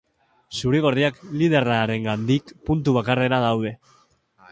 Zuri-gorriak liderrarengandik puntu bakarrera daude.